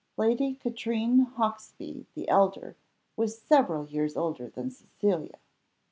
Lady Katrine Hawksby, the elder, was several years older than Cecilia.